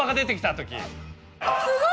すごい！